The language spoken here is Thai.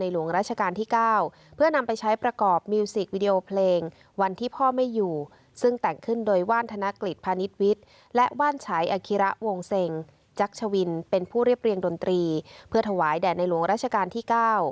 หลวงราชการที่๙เพื่อนำไปใช้ประกอบมิวสิกวิดีโอเพลงวันที่พ่อไม่อยู่ซึ่งแต่งขึ้นโดยว่านธนกฤษพาณิชย์วิทย์และว่านฉายอคิระวงเซ็งจักรชวินเป็นผู้เรียบเรียงดนตรีเพื่อถวายแด่ในหลวงราชการที่๙